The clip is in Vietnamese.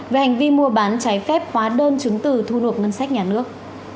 về hành vi mua bán trái phép hóa đơn chứng từ thu nộp ngân sách nhà nước